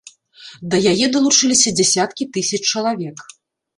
Да яе далучыліся дзясяткі тысяч чалавек.